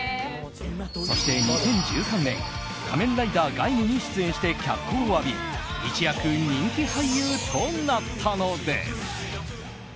そして、２０１３年「仮面ライダー鎧武」に出演して脚光を浴び一躍、人気俳優となったのです。